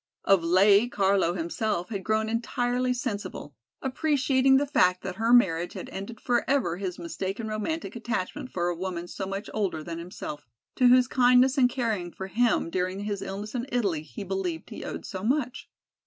Of late Carlo, himself, had grown entirely sensible, appreciating the fact that her marriage had ended forever his mistaken romantic attachment for a woman so much older than himself, to whose kindness in caring for him during his illness in Italy he believed he owed so much.